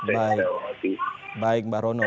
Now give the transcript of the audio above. baik baik mbah rono